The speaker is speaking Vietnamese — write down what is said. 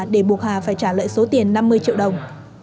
để buộc hà phải trả lại số tiền năm mươi triệu đồng